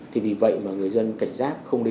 thì vì vậy mà người dân cảnh giác không để